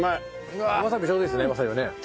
わさびちょうどいいですねわさびがね。